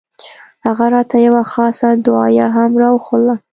هغه راته يوه خاصه دعايه هم راوښووله.